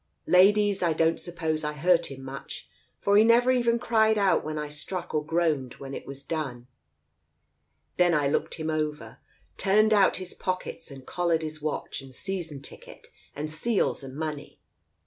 Ladies, I don't suppose I hurt him much, for he never even cried out when I struck or groaned when it was done. Then I looked him over, turned out his pockets and collared his watch and season ticket and seals and money.